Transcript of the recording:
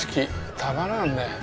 たまらんね。